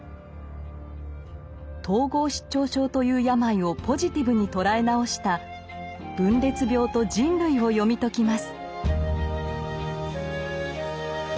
統合失調症という病をポジティブに捉え直した「分裂病と人類」を読み解きます。